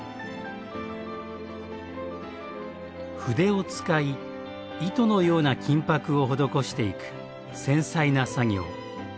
筆を使い糸のような金箔を施していく繊細な作業。